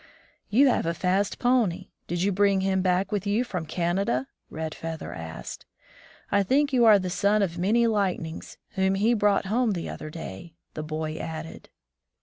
"You have a fast pony. Did you bring him back with you from Canada?" Red Feather asked. "I think you are the son of Many Lightnings, whom he brought home the other day," the boy added.